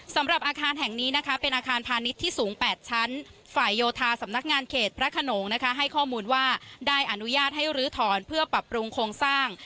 สำหรับอาคารแห่งนี้นะคะเป็นอาคารพาณิชย์ที่สูง๘ชั้นฝ่ายโยธาสำนักงานเขตพระขนงให้ข้อมูลว่าได้อนุญาตให้ลื้อถอนเพื่อปรับปรุงโครงสร้าง